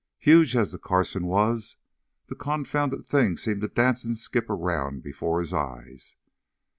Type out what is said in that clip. Huge as the Carson was, the confounded thing seemed to dance and skip around before his eyes.